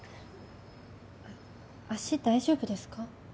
あっ足大丈夫ですか？